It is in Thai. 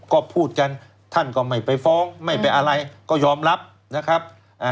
ก็พูดกันท่านก็ไม่ไปฟ้องไม่ไปอะไรก็ยอมรับนะครับ